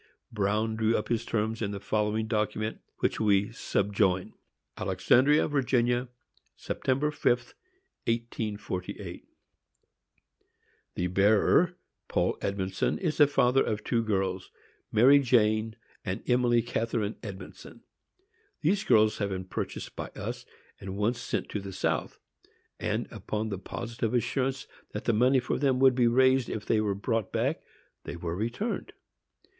Bruin drew up his terms in the following document, which we subjoin: Alexandria, Va., Sept. 5, 1848. The bearer, Paul Edmondson, is the father of two girls, Mary Jane and Emily Catharine Edmondson. These girls have been purchased by us, and once sent to the south; and, upon the positive assurance that the money for them would be raised if they were brought back, they were returned.